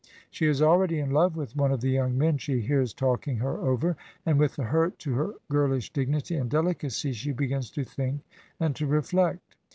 She is already in love with one of the young men she hears talking her over, and with the hurt to her girlish dignity and delicacy, she begins to think and to reflect.